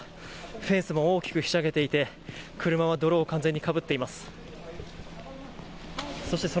フェンスも大きくひしゃげていて車は泥を完全にかぶっています。